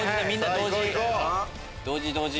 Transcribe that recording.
同時同時！